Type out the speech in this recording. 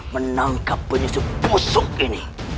menangkap penyusup busuk ini